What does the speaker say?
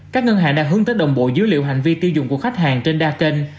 các ngân hàng đang hướng tới đồng bộ dữ liệu hành vi tiêu dùng của khách hàng trên đa kênh